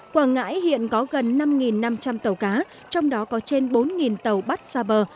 quảng ngãi hiện có gần năm năm trăm linh tàu cá trong đó có trên bốn tàu bắt xa bờ